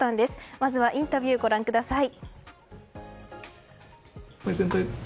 まずはインタビューをご覧ください。